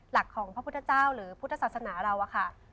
หลักของพระพุทธเจ้าหรือพุทธศาสนาเราอะค่ะ